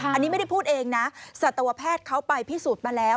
อันนี้ไม่ได้พูดเองนะสัตวแพทย์เขาไปพิสูจน์มาแล้ว